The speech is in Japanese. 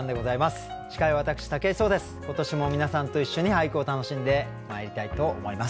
今年も皆さんと一緒に俳句を楽しんでまいりたいと思います。